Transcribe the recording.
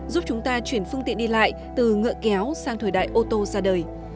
giúp chúng ta chuyển phương tiện đi lại từ ngựa kéo sang thời đại ô tô ra đời